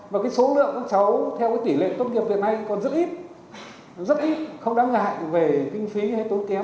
và cái số lượng các cháu theo cái tỷ lệ tốt nghiệp hiện nay còn rất ít rất ít không đáng ngại về kinh phí hay tốn kém